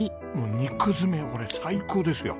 肉詰め最高ですよ！